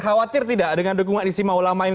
khawatir tidak dengan dukungan istimewa ulama ini